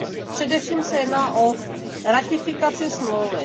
Především se jedná o ratifikaci Smlouvy.